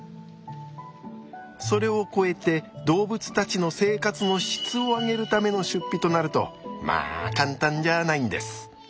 それを超えて動物たちの生活の質を上げるための出費となるとまあ簡単じゃないんです。